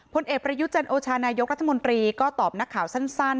ผลเอกประยุจันโอชานายกรัฐมนตรีก็ตอบนักข่าวสั้น